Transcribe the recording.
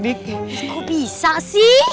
kok bisa sih